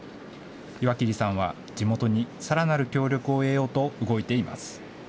岩切さんは地元にさらなる協力を得ようと動いています。